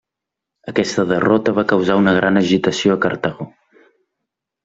Aquesta derrota va causar una gran agitació a Cartago.